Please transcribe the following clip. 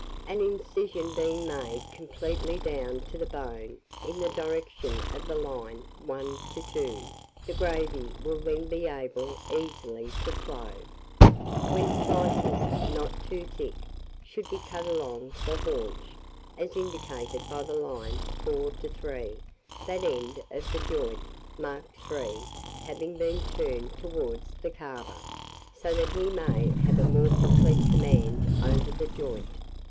An incision being made completely down to the bone, in the direction of the line 1 to 2, the gravy will then be able easily to flow; when slices, not too thick, should be cut along the haunch, as indicated by the line 4 to 3; that end of the joint marked 3 having been turned towards the carver, so that he may have a more complete command over the joint.